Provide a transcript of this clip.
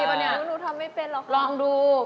นี่หนูทำไม่เป็นหรอกครับลองดู